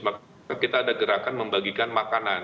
maka kita ada gerakan membagikan makanan